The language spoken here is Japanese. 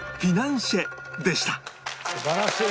素晴らしい！